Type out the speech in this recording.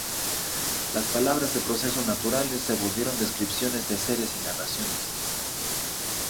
Las palabras de procesos naturales se volvieron descripciones de seres y narraciones.